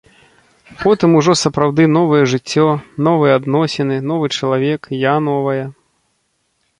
Потым ужо сапраўды новае жыццё, новыя адносіны, новы чалавек, я новая.